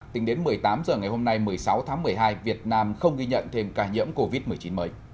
tính đến một mươi tám h ngày hôm nay một mươi sáu tháng một mươi hai việt nam không ghi nhận thêm ca nhiễm covid một mươi chín mới